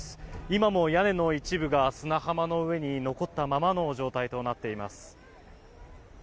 今も屋根の一部が砂浜の上に残ったままの状態となっています。